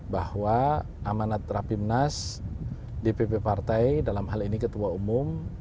bahwa amanat rapimnas dpp partai dalam hal ini ketua umum